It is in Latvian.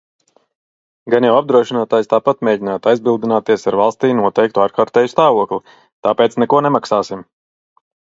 Gan jau apdrošinātājs tāpat mēģinātu aizbildināties ar "valstī noteiktu ārkārtēju stāvokli", tāpēc "neko nemaksāsim".